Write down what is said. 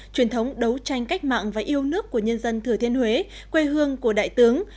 truyền thống đấu tranh cách mạng và yêu nước của nhân dân thừa thiên huế quê hương của đại tướng